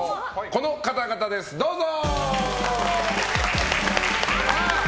この方々です、どうぞ！